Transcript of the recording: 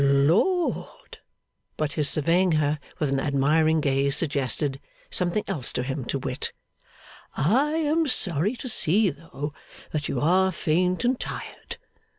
'Lord!' But his surveying her with an admiring gaze suggested Something else to him, to wit: 'I am sorry to see, though, that you are faint and tired.